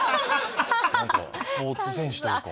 なんかスポーツ選手というか。